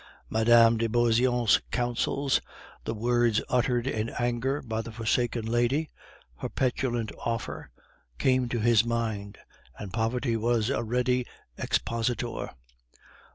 Mme. de Beauseant's counsels, the words uttered in anger by the forsaken lady, her petulant offer, came to his mind, and poverty was a ready expositor.